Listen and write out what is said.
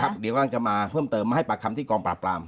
ครับเดี๋ยวก่อนจะมาเพิ่มเติมให้ประคำที่กรรมปรับปราม